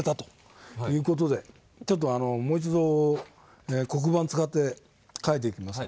ちょっともう一度黒板使って書いていきますが。